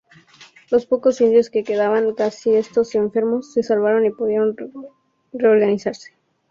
Los pocos indios que quedaban, casi todos enfermos, se salvaron y pudieron reorganizarse.